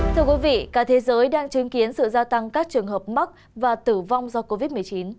thưa quý vị cả thế giới đang chứng kiến sự gia tăng các trường hợp mắc và tử vong do covid một mươi chín